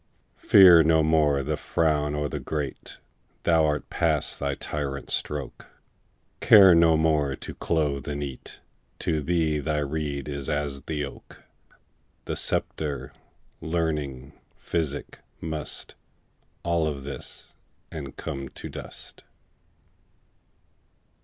Fear no more the frown o' the great, Thou art past the tyrant's stroke; Care no more to clothe and eat; To thee the reed is as the oak: The sceptre, learning, physic, must All follow this, and come to dust.